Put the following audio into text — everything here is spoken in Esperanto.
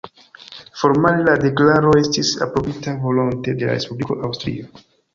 Formale, la deklaro estis aprobita volonte de la Respubliko Aŭstrio.